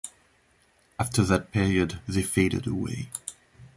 After that period, they faded away.